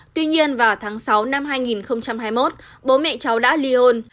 tuy nhiên vào tháng sáu năm hai nghìn hai mươi một bố mẹ cháu đã ly hôn